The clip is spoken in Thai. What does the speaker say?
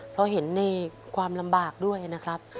เพราะเห็นในความลำบากด้วยนะครับ